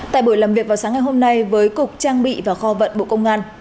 tại buổi làm việc vào sáng ngày hôm nay với cục trang bị và kho vận bộ công an